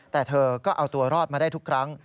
แต่เธอก็เอาตัวรอดมาได้ทุกครั้ง